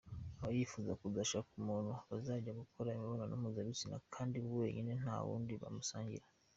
Aba yifuza kuzashaka umuntu bazajya bakora imibonano mpuzabitsina kandi wenyine ntawundi bamusangira.